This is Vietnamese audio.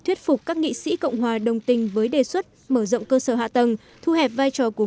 thuyết phục các nghị sĩ cộng hòa đồng tình với đề xuất mở rộng cơ sở hạ tầng thu hẹp vai trò của